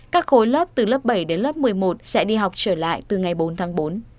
các khối lớp từ lớp bảy đến lớp một mươi một sẽ đi học trở lại từ ngày bốn tháng bốn